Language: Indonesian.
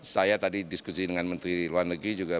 saya tadi diskusi dengan menteri luar negeri juga